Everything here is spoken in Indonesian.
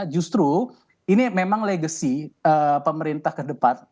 justru ini memang legacy pemerintah ke depan